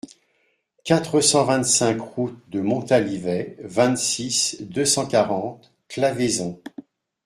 quatre cent vingt-cinq route de Montalivet, vingt-six, deux cent quarante, Claveyson